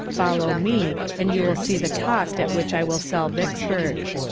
Follow me, and you will see the cost at which I will sell Vicksburg.